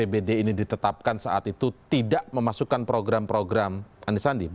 apbd ini ditetapkan saat itu tidak memasukkan program program anisandi